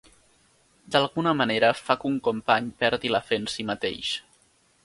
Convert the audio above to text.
D'alguna manera fa que un company perdi la fe en si mateix.